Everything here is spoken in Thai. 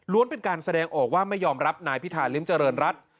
เป็นการแสดงออกว่าไม่ยอมรับนายพิธาริมเจริญรัฐ